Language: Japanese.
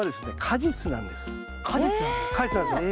果実なんですよ。